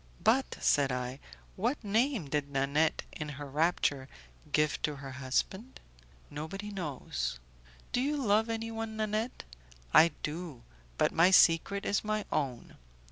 "But," said I, "what name did Nanette, in her rapture, give to her husband?" "Nobody knows." "Do you love anyone, Nanette?" "I do; but my secret is my own."